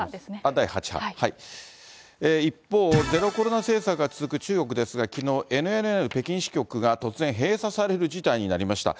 第８波ですね、一方、ゼロコロナ政策が続く中国ですが、きのう、ＮＮＮ北京支局が突然閉鎖される事態になりました。